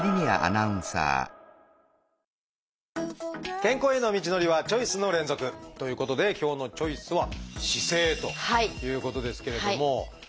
健康への道のりはチョイスの連続！ということで今日の「チョイス」は何かどうですか？